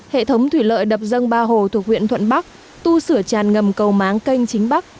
hệ thống thủy lợi đập dâng ba hồ thuộc huyện thuận bắc tu sửa tràn ngầm cầu máng canh chính bắc